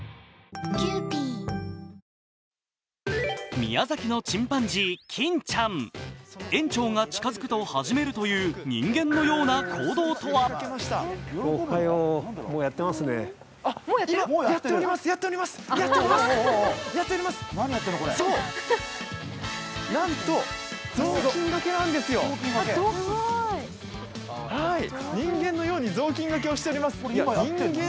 宮崎のチンパンジー・キンちゃん園長が近づくと始めるという人間のような行動とは人間のように雑巾がけをしております。